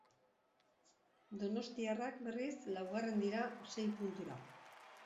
Donostiarrak, berriz, laugarren dira, sei puntura.